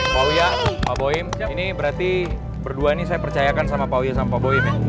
pak wuyah pak boyim ini berarti berdua ini saya percayakan sama pak wuyah sama pak boyim ya